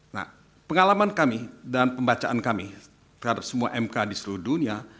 nah pengalaman kami dan pembacaan kami terhadap semua mk di seluruh dunia